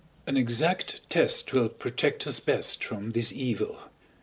An exact test will protect us best from this evil.